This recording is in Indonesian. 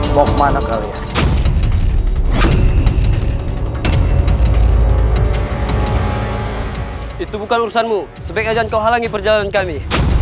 bok mana kalian itu bukan urusanmu sebaiknya jangan kau halangi perjalanan kami